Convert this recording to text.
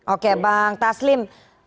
oke bang taslim